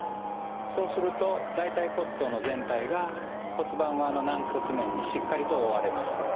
そうすると大腿骨頭の全体が骨盤側の軟骨面にしっかりと覆われます。